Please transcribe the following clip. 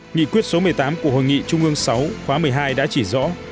nghị quyết số một mươi tám của hội nghị trung ương sáu khóa một mươi hai đã chỉ rõ